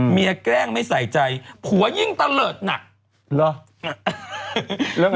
เมียแกล้งไม่ใส่ใจผัวยิ่งตะเลิดหนัก